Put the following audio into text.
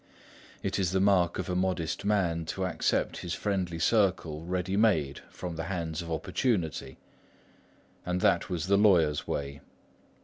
It is the mark of a modest man to accept his friendly circle ready made from the hands of opportunity; and that was the lawyer's way.